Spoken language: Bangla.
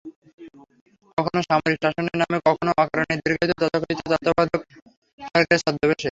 কখনো সামরিক শাসনের নামে, কখনো অকারণে দীর্ঘায়িত তথাকথিত তত্ত্বাবধায়ক সরকারের ছদ্মবেশে।